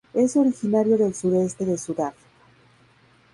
Es originario del sudeste de Sudáfrica.